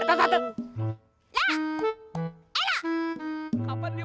belakang makannya bening